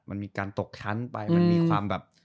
มันมีการตกชั้นไปมันมีความแบบ